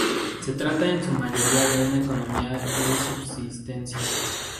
Se trata en su mayoría de una economía de subsistencia.